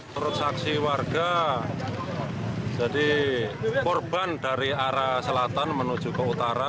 menurut saksi warga jadi korban dari arah selatan menuju ke utara